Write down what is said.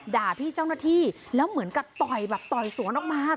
ด่าพี่เจ้าหน้าที่แล้วเหมือนกับต่อยแบบต่อยสวนออกมา